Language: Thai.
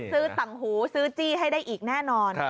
ตังหูซื้อจี้ให้ได้อีกแน่นอน